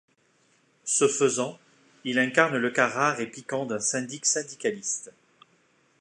Ce faisant, il incarne le cas rare et piquant d’un syndic syndicaliste.